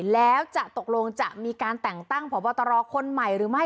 แล้วจะตกลงจะมีการแต่งตั้งพบตรคนใหม่หรือไม่